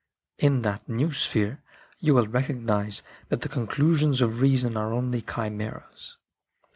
In that new sphere you will recognise that the conclusions of reason are only chimeras."